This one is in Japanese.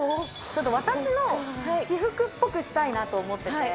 ちょっと私の私服っぽくしたいなと思ってて。